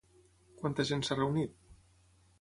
Quanta gent s'ha reunit?